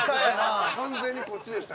完全にこっちでした。